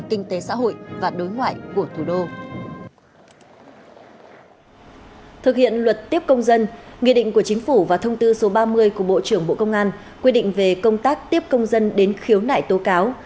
quy định của chính phủ và thông tư số ba mươi của bộ trưởng bộ công an quy định về công tác tiếp công dân đến khiếu nải tố cáo